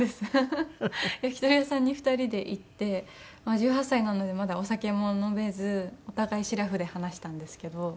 焼き鳥屋さんに２人で行って１８歳なのでまだお酒も飲めずお互いシラフで話したんですけど。